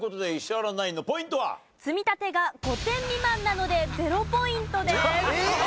積み立てが５点未満なので０ポイントです。